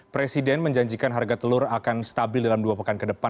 presiden menjanjikan harga telur akan stabil dalam dua pekan ke depan